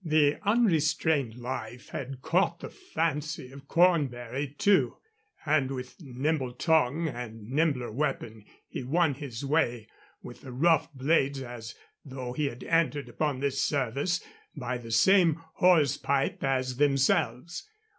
The unrestrained life had caught the fancy of Cornbury, too, and with nimble tongue and nimbler weapon he won his way with the rough blades as though he had entered upon this service by the same hawse pipe as themselves.